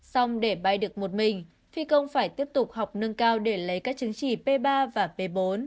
xong để bay được một mình phi công phải tiếp tục học nâng cao để lấy các chứng chỉ p ba và p bốn